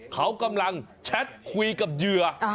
เขากำลังแชทคุยกับเหยื่อ